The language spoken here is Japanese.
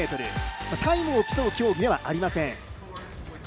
タイムを競う競技ではありません。